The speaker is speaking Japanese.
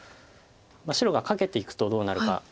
白がカケていくとどうなるか。